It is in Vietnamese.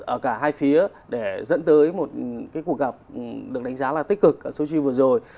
ở cả hai phía để dẫn tới một cuộc gặp được đánh giá là tích cực ở sochi vừa rồi